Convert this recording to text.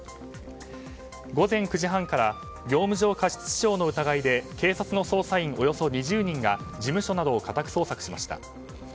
午前９時半から業務上過失致傷の疑いで警察の捜査員およそ２０人が事務所などを家宅捜索しました。